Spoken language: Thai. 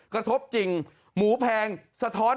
กระทบจริงหมูแพงสะท้อน